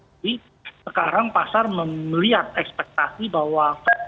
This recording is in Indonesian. jadi sekarang pasar melihat ekspektasi bahwa